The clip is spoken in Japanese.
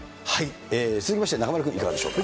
続きまして、中丸君、いかがでしょう。